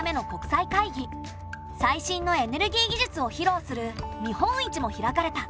最新のエネルギー技術をひろうする見本市も開かれた。